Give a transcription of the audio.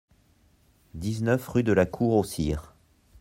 dix-neuf rue de la Cour au Sire